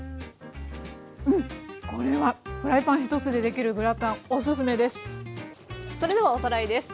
うんこれはフライパン一つでできるグラタンおすすめです。